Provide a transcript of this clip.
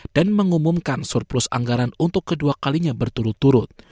dan mengumumkan surplus anggaran untuk kedua kalinya berturut turut